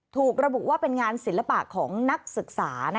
ถูกระบุว่าเป็นงานศิลปะของนักศึกษา